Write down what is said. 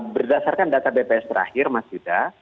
berdasarkan data bps terakhir mas yuda